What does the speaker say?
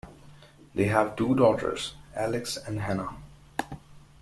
They have two daughters, Alex and Hannah.